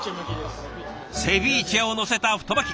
セビーチェをのせた太巻き。